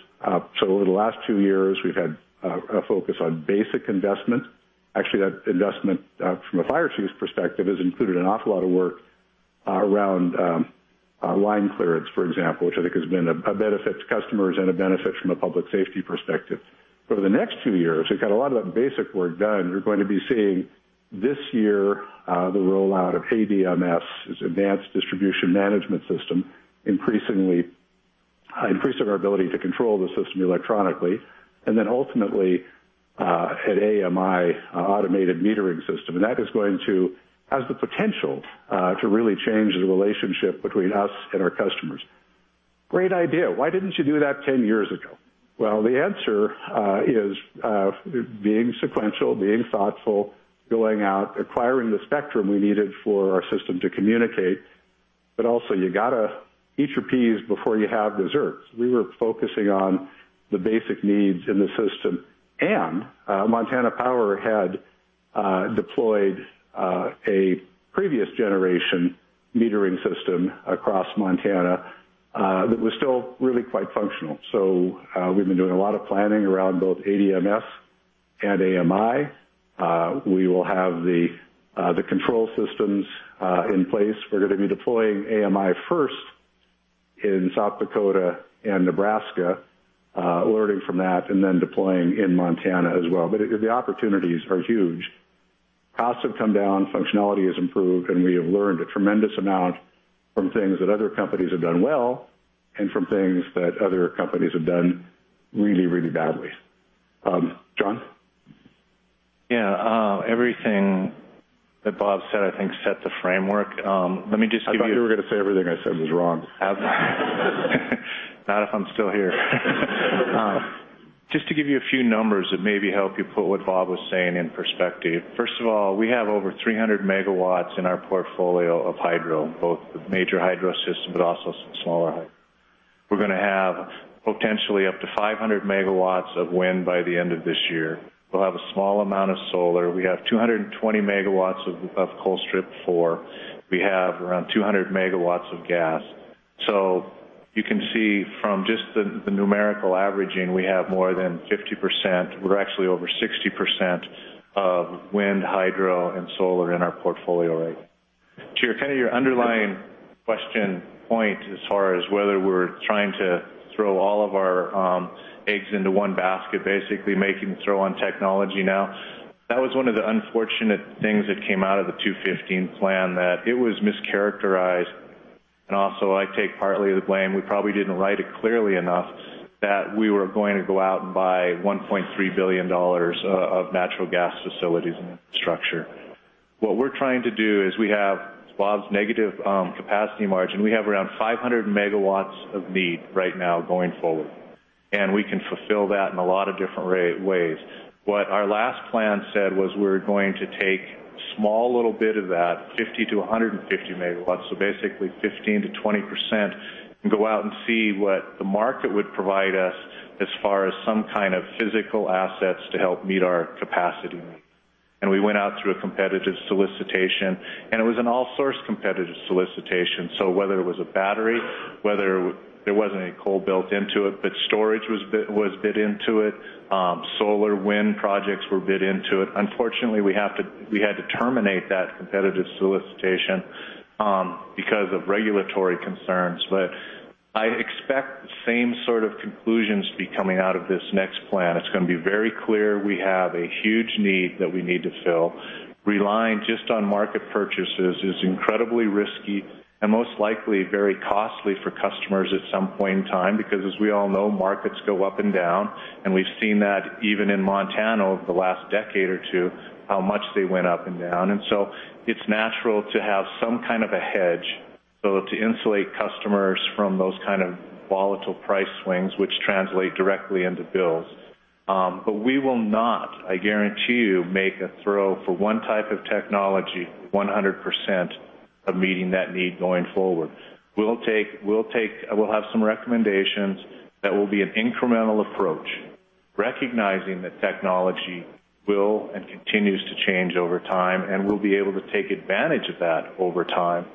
Over the last two years, we've had a focus on basic investment. Actually, that investment from a fire chief's perspective, has included an awful lot of work around line clearance, for example, which I think has been a benefit to customers and a benefit from a public safety perspective. For the next two years, we've got a lot of that basic work done. You're going to be seeing this year, the rollout of ADMS, this advanced distribution management system, increasing our ability to control the system electronically, and then ultimately, at AMI, automated metering system. That has the potential to really change the relationship between us and our customers. Great idea. Why didn't you do that 10 years ago? The answer is, being sequential, being thoughtful, going out, acquiring the spectrum we needed for our system to communicate. Also you got to eat your peas before you have desserts. We were focusing on the basic needs in the system, and Montana Power had deployed a previous generation metering system across Montana, that was still really quite functional. We've been doing a lot of planning around both ADMS and AMI. We will have the control systems in place. We're going to be deploying AMI first in South Dakota and Nebraska, learning from that, and then deploying in Montana as well. The opportunities are huge. Costs have come down, functionality has improved, and we have learned a tremendous amount from things that other companies have done well, and from things that other companies have done really, really badly. John? Yeah. Everything that Bob said, I think set the framework. Let me just give you- I thought you were going to say everything I said was wrong. Not if I'm still here. Just to give you a few numbers that maybe help you put what Bob was saying in perspective. First of all, we have over 300 megawatts in our portfolio of hydro, both major hydro system, but also some smaller hydro. We're going to have potentially up to 500 megawatts of wind by the end of this year. We'll have a small amount of solar. We have 220 megawatts of Colstrip 4. We have around 200 megawatts of gas. You can see from just the numerical averaging, we have more than 50%, we're actually over 60%, of wind, hydro, and solar in our portfolio right now. To your underlying question point as far as whether we're trying to throw all of our eggs into one basket, basically making the throw on technology now, that was one of the unfortunate things that came out of the 2015 plan that it was mischaracterized. Also, I take partly the blame. We probably didn't write it clearly enough that we were going to go out and buy $1.3 billion of natural gas facilities and infrastructure. What we're trying to do is we have Bob's negative capacity margin. We have around 500 megawatts of need right now going forward. We can fulfill that in a lot of different ways. What our last plan said was we're going to take small little bit of that, 50-150 megawatts, so basically 15%-20%, and go out and see what the market would provide us as far as some kind of physical assets to help meet our capacity needs. We went out through a competitive solicitation, and it was an all-source competitive solicitation. Whether it was a battery, there wasn't any coal built into it, but storage was bid into it. Solar wind projects were bid into it. Unfortunately, we had to terminate that competitive solicitation because of regulatory concerns. I expect the same sort of conclusions to be coming out of this next plan. It's going to be very clear we have a huge need that we need to fill. Relying just on market purchases is incredibly risky and most likely very costly for customers at some point in time, because as we all know, markets go up and down, and we've seen that even in Montana over the last decade or two, how much they went up and down. It's natural to have some kind of a hedge, both to insulate customers from those kind of volatile price swings which translate directly into bills. We will not, I guarantee you, make a throw for one type of technology, 100% of meeting that need going forward. We'll have some recommendations that will be an incremental approach, recognizing that technology will and continues to change over time, and we'll be able to take advantage of that over time.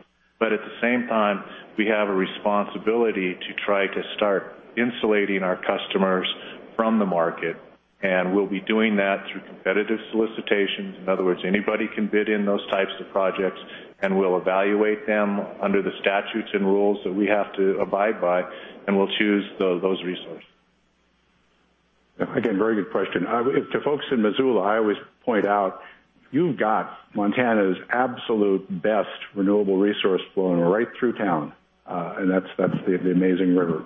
At the same time, we have a responsibility to try to start insulating our customers from the market, and we'll be doing that through competitive solicitations. In other words, anybody can bid in those types of projects, and we'll evaluate them under the statutes and rules that we have to abide by, and we'll choose those resources. Again, very good question. To folks in Missoula, I always point out you've got Montana's absolute best renewable resource flowing right through town, and that's the amazing river.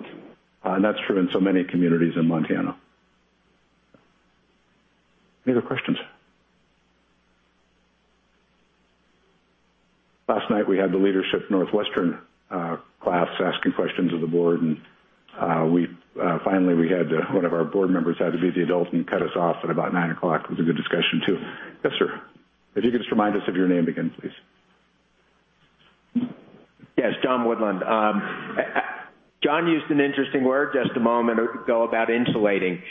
That's true in so many communities in Montana. Any other questions? Last night, we had the Leadership NorthWestern class asking questions of the board, and finally one of our board members had to be the adult and cut us off at about nine o'clock. It was a good discussion, too. Yes, sir. If you could just remind us of your name again, please. Yes. John Hoover. John used an interesting word just a moment ago about insulating.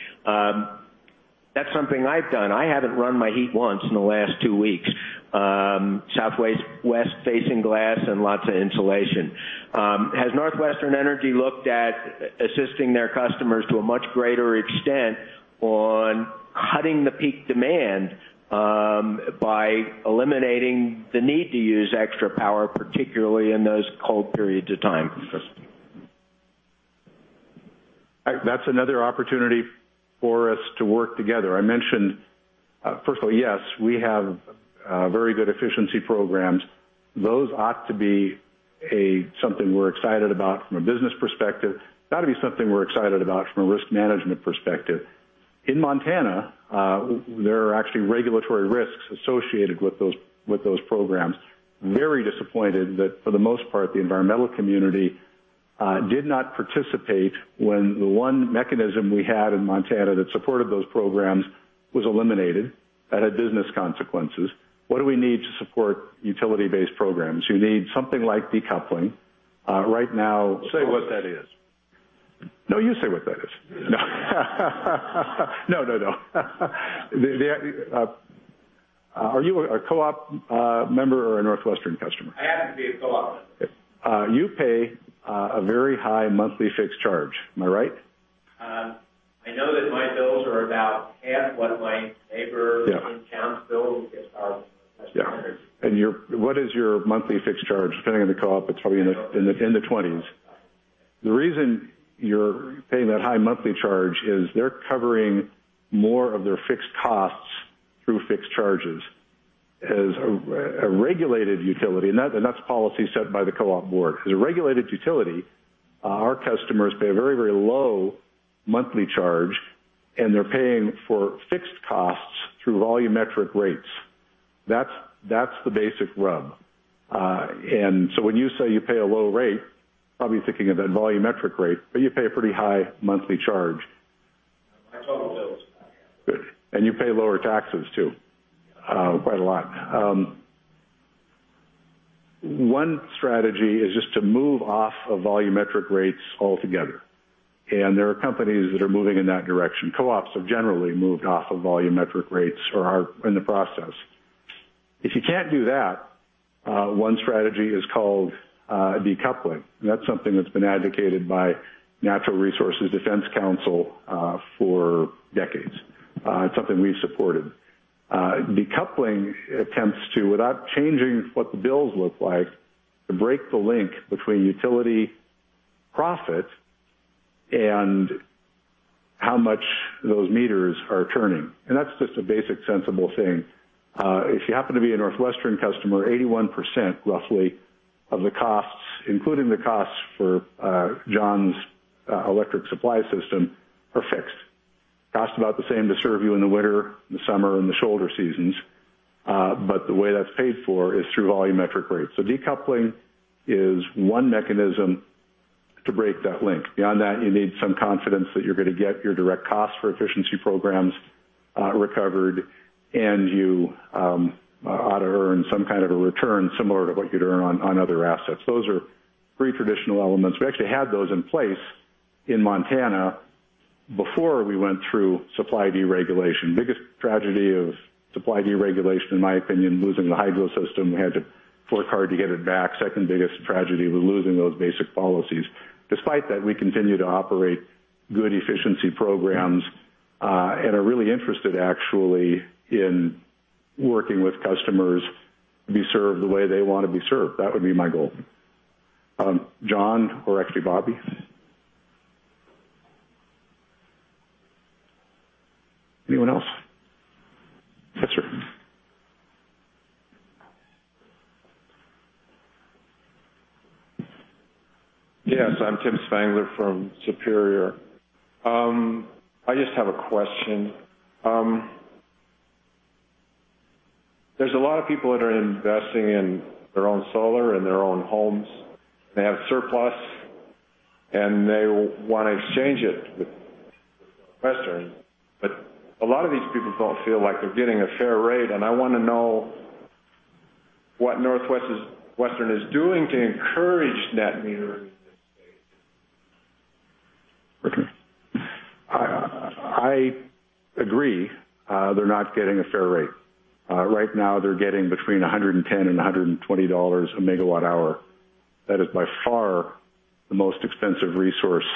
That's something I've done. I haven't run my heat once in the last two weeks. Southwest-facing glass and lots of insulation. Has NorthWestern Energy looked at assisting their customers to a much greater extent on cutting the peak demand by eliminating the need to use extra power, particularly in those cold periods of time? That's another opportunity for us to work together. First of all, yes, we have very good efficiency programs. Those ought to be something we're excited about from a business perspective. That'd be something we're excited about from a risk management perspective. In Montana, there are actually regulatory risks associated with those programs. Very disappointed that, for the most part, the environmental community did not participate when the one mechanism we had in Montana that supported those programs was eliminated. That had business consequences. What do we need to support utility-based programs? You need something like decoupling. Right now. Say what that is. No, you say what that is. No. Are you a co-op member or a NorthWestern customer? I happen to be a co-op member. You pay a very high monthly fixed charge. Am I right? I know that my bills are about half what my neighbor- Yeah in town's bill who gets power from NorthWestern Energy. Yeah. What is your monthly fixed charge? Depending on the co-op, it's probably in the 20s. The reason you're paying that high monthly charge is they're covering more of their fixed costs through fixed charges. As a regulated utility, that's policy set by the co-op board. As a regulated utility, our customers pay a very low monthly charge, they're paying for fixed costs through volumetric rates. That's the basic rub. When you say you pay a low rate, probably thinking of that volumetric rate, you pay a pretty high monthly charge. My total bill is about half. Good. You pay lower taxes, too. Quite a lot. One strategy is just to move off of volumetric rates altogether, there are companies that are moving in that direction. Co-ops have generally moved off of volumetric rates or are in the process. If you can't do that, one strategy is called decoupling, that's something that's been advocated by Natural Resources Defense Council for decades. It's something we've supported. decoupling attempts to, without changing what the bills look like, to break the link between utility profit and how much those meters are turning. That's just a basic, sensible thing. If you happen to be a NorthWestern customer, 81%, roughly, of the costs, including the costs for John's electric supply system, are fixed. Costs about the same to serve you in the winter, in the summer, in the shoulder seasons. The way that's paid for is through volumetric rates. Decoupling is one mechanism to break that link. Beyond that, you need some confidence that you're going to get your direct costs for efficiency programs recovered, you ought to earn some kind of a return similar to what you'd earn on other assets. Those are three traditional elements. We actually had those in place in Montana before we went through supply deregulation. Biggest tragedy of supply deregulation, in my opinion, losing the hydro system. We had to work hard to get it back. Second biggest tragedy was losing those basic policies. Despite that, we continue to operate good efficiency programs. Are really interested, actually, in working with customers to be served the way they want to be served. That would be my goal. John or actually, Bob? Anyone else? Yes, sir. Yes, I'm Tim Spangler from Superior. I just have a question. There's a lot of people that are investing in their own solar in their own homes. They have surplus, and they want to exchange it with NorthWestern, but a lot of these people don't feel like they're getting a fair rate, and I want to know what NorthWestern is doing to encourage net metering in this state. I agree. They're not getting a fair rate. Right now, they're getting between $110-$120 a megawatt hour. That is by far the most expensive resource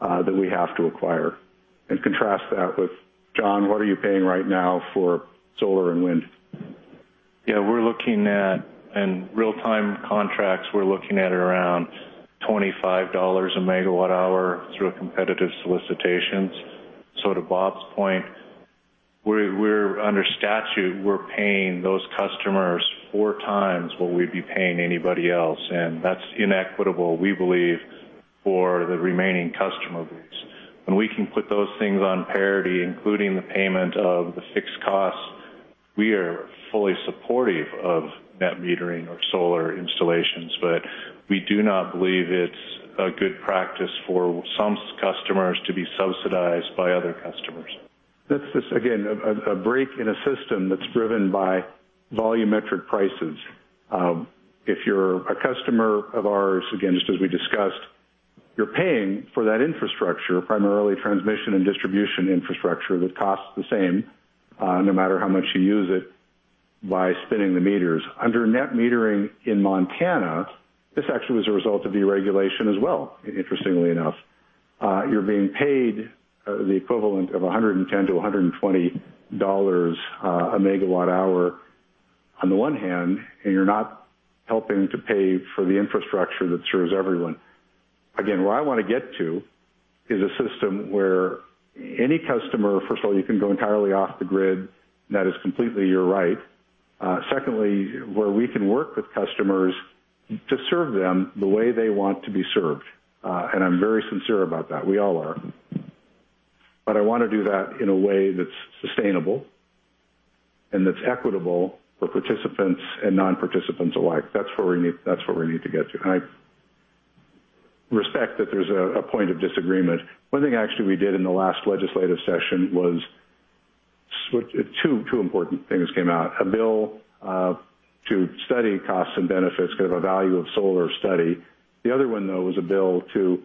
that we have to acquire. Contrast that with John, what are you paying right now for solar and wind? Yeah, in real-time contracts, we're looking at around $25 a megawatt hour through competitive solicitations. To Bob's point, under statute, we're paying those customers four times what we'd be paying anybody else, and that's inequitable, we believe, for the remaining customer base. When we can put those things on parity, including the payment of the fixed costs, we are fully supportive of net metering or solar installations. We do not believe it's a good practice for some customers to be subsidized by other customers. That's, again, a break in a system that's driven by volumetric prices. If you're a customer of ours, again, just as we discussed, you're paying for that infrastructure, primarily transmission and distribution infrastructure that costs the same no matter how much you use it by spinning the meters. Under net metering in Montana, this actually was a result of deregulation as well, interestingly enough. You're being paid the equivalent of $110-$120 a megawatt hour on the one hand, and you're not helping to pay for the infrastructure that serves everyone. Where I want to get to is a system where any customer, first of all, you can go entirely off the grid. That is completely your right. Secondly, where we can work with customers to serve them the way they want to be served. I'm very sincere about that. We all are. I want to do that in a way that's sustainable and that's equitable for participants and non-participants alike. That's where we need to get to. I respect that there's a point of disagreement. One thing, actually, we did in the last legislative session was two important things came out. A bill to study costs and benefits, kind of a value of solar study. The other one, though, was a bill to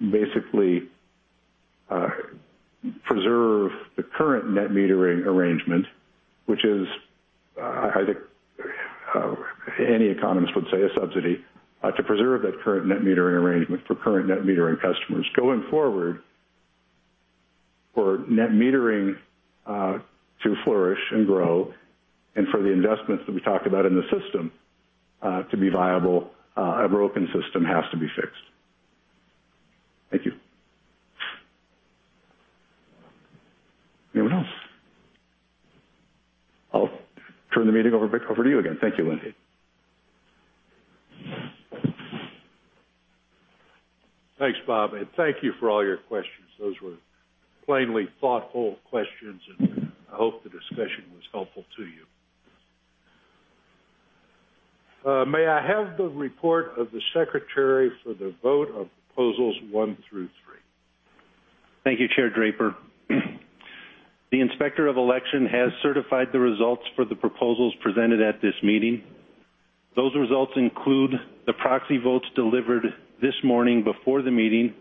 basically preserve the current net metering arrangement, which is, I think any economist would say, a subsidy to preserve that current net metering arrangement for current net metering customers. Going forward, for net metering to flourish and grow and for the investments that we talked about in the system to be viable, a broken system has to be fixed. Thank you. Anyone else? I'll turn the meeting over to you again. Thank you, Linn. Thanks, Bob. Thank you for all your questions. Those were plainly thoughtful questions. I hope the discussion was helpful to you. May I have the report of the secretary for the vote of proposals one through three? Thank you, Chair Draper. The Inspector of Election has certified the results for the proposals presented at this meeting. Those results include the proxy votes delivered this morning before the meeting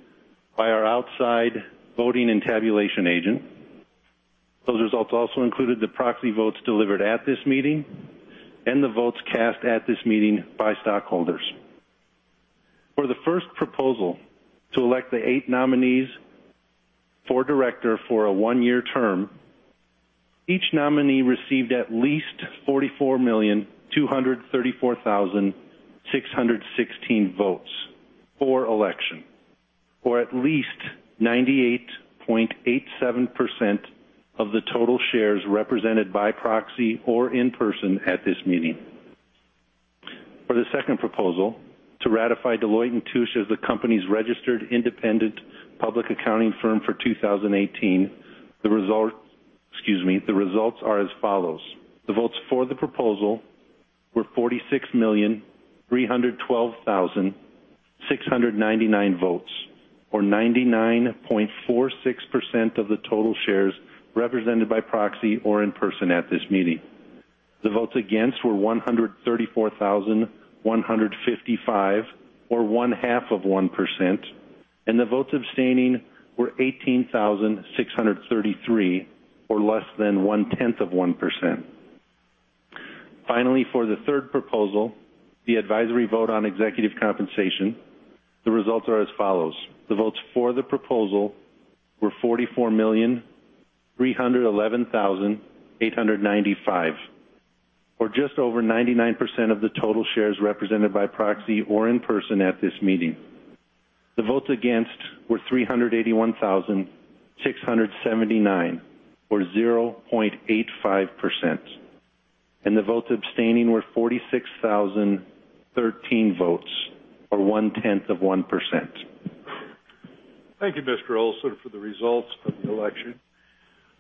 by our outside voting and tabulation agent. Those results also included the proxy votes delivered at this meeting and the votes cast at this meeting by stockholders. For the first proposal to elect the eight nominees for director for a one-year term, each nominee received at least 44,234,616 votes for election, or at least 98.87% of the total shares represented by proxy or in person at this meeting. For the second proposal to ratify Deloitte & Touche as the company's registered independent public accounting firm for 2018, the results are as follows. The votes for the proposal were 46,312,699 votes, or 99.46% of the total shares represented by proxy or in person at this meeting. The votes against were 134,155, or one half of 1%, and the votes abstaining were 18,633, or less than one tenth of 1%. Finally, for the third proposal, the advisory vote on executive compensation, the results are as follows. The votes for the proposal were 44,311,895, or just over 99% of the total shares represented by proxy or in person at this meeting. The votes against were 381,679, or 0.85%, and the votes abstaining were 46,013 votes, or one tenth of 1%. Thank you, Mr. Olson, for the results of the election.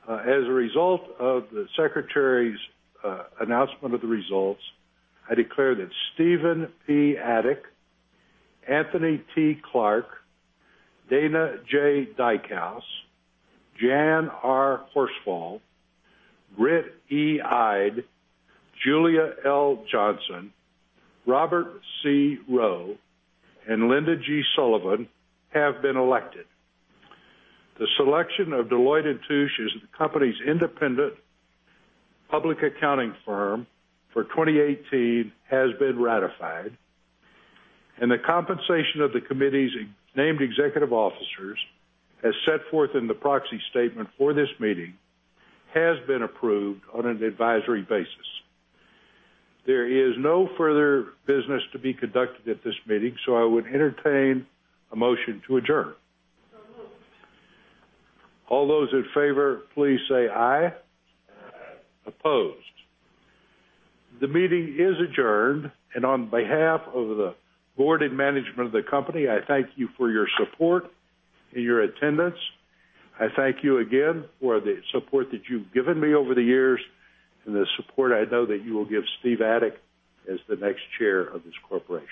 As a result of the secretary's announcement of the results, I declare that Stephen P. Adik, Anthony T. Clark, Dana J. Dykhouse, Jan R. Horsfall, Britt E. Ide, Julia L. Johnson, Robert C. Rowe, and Linda G. Sullivan have been elected. The selection of Deloitte & Touche as the company's independent public accounting firm for 2018 has been ratified, and the compensation of the committee's named executive officers, as set forth in the proxy statement for this meeting, has been approved on an advisory basis. I would entertain a motion to adjourn. Moved. All those in favor, please say aye. Aye. Opposed. The meeting is adjourned, and on behalf of the board and management of the company, I thank you for your support and your attendance. I thank you again for the support that you've given me over the years and the support I know that you will give Steve Adik as the next chair of this corporation